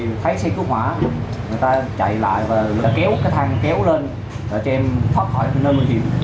người ta chạy lại và kéo cái thang kéo lên cho em thoát khỏi